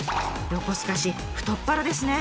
横須賀市太っ腹ですね！